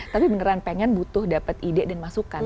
tapi beneran pengen butuh dapat ide dan masukan